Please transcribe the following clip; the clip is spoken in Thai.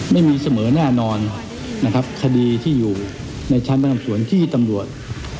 ไม่มีเสมอแน่นอนนะครับคดีที่อยู่ในชั้นประนำส่วนที่ตำรวจ